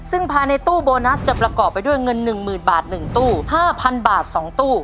ซึ่งพาในตู้โบนัสจะประกอบไปด้วยเงินหนึ่งหมื่นบาทหนึ่งตู้ห้าพันบาทสองตู้